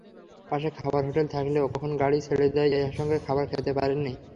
পাশে খাবার হোটেল থাকলেও কখন গাড়ি ছেড়ে দেয়—এই আশঙ্কায় খাবার খেতে পারেননি।